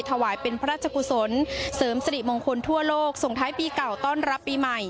ถวายเป็นพระราชกุศลเสริมสริมงคลทั่วโลกส่งท้ายปีเก่าต้อนรับปีใหม่